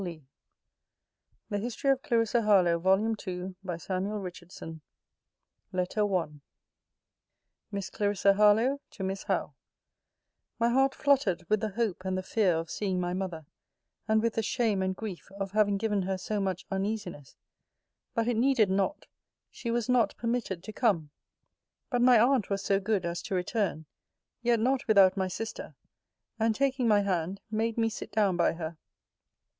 Begs her pity and her prayers. THE HISTORY OF CLARISSA HARLOWE LETTER I MISS CLARISSA HARLOWE, TO MISS HOWE My heart fluttered with the hope and the fear of seeing my mother, and with the shame and grief of having given her so much uneasiness. But it needed not: she was not permitted to come. But my aunt was so good as to return, yet not without my sister; and, taking my hand, made me sit down by her.